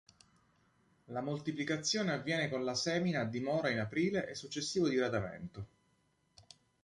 La moltiplicazione avviene con la semina a dimora in aprile e successivo diradamento.